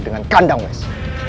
dengan kandang wes